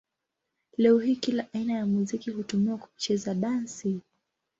Leo hii kila aina ya muziki hutumiwa kwa kucheza dansi.